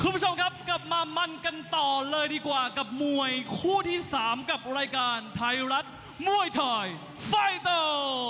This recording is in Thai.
คุณผู้ชมครับกลับมามันกันต่อเลยดีกว่ากับมวยคู่ที่๓กับรายการไทยรัฐมวยไทยไฟเตอร์